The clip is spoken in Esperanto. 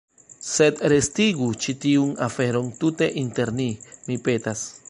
Sed restigu ĉi tiun aferon tute inter ni, mi petas.